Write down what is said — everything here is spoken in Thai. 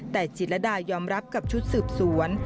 แต่จิตรดายอมรับกับชุดสืบสวน